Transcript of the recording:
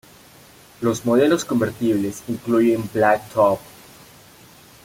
Los modelos convertibles incluyen Black Top.